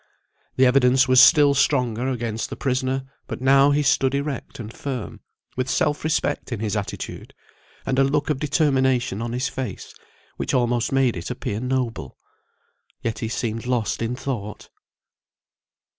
The evidence was still stronger against the prisoner; but now he stood erect and firm, with self respect in his attitude, and a look of determination on his face, which almost made it appear noble. Yet he seemed lost in thought.